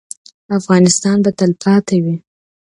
افغانستان به تلپاتې وي؟